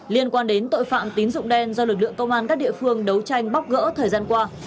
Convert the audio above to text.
liên quan đến tội phạm tín dụng đen do lực lượng công an các địa phương đấu tranh bóc gỡ thời gian qua